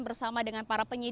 bersama dengan para penyidikan